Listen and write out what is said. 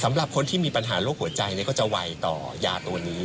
สำหรับคนที่มีปัญหาโรคหัวใจก็จะไวต่อยาตัวนี้